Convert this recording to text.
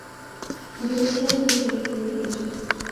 ভেবেছিলাম তুমি ডিলেট করে দিয়েছ।